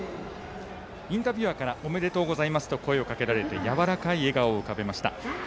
インタビュアーからおめでとうございますと声をかけられてやわらかい笑顔を浮かべました。